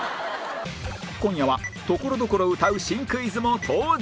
今夜はところどころ歌う新クイズも登場